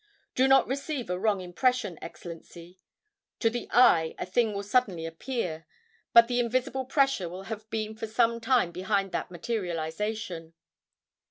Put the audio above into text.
Do not receive a wrong impression, Excellency; to the eye a thing will suddenly appear, but the invisible pressure will have been for some time behind that materialization."